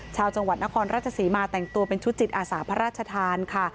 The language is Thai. ชาวจังหวัดนครราชศรีมาแต่งตัวเป็นชุดจิตอาสาพระราชทานค่ะ